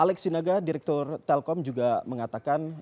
alex sinaga direktur telkom juga mengatakan